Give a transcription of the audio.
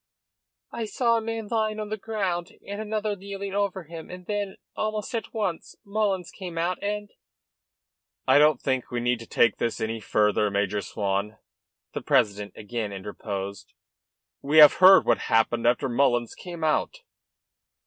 "I saw a man lying on the ground, and another kneeling over him, and then almost at once Mullins came out, and " "I don't think we need take this any further, Major Swan," the president again interposed. "We have heard what happened after Mullins came out."